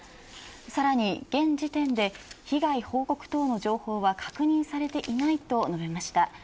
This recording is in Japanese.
さらに、現時点で被害報告等の情報は確認されていないと述べました。